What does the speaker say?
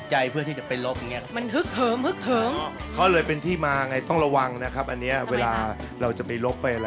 แหมคลีนี้ก็ตลก๒๓บาทจะเล่นนะคะ